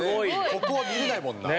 ここは見れないもんな。